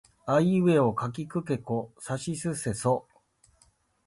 あいうえおかきくけこさしせそ